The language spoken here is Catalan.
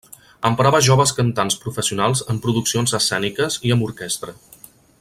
Emprava joves cantants professionals en produccions escèniques i amb orquestra.